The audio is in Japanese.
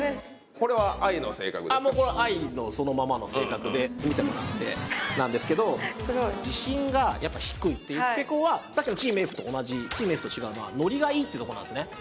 これはもうＩのそのままの性格で見てもらってなんですけど自信がやっぱ低いという傾向はさっきのチームＦと同じチームＦと違うのはノリがいいってとこなんですね